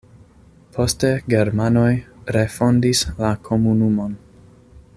Poste germanoj refondis la komunumon.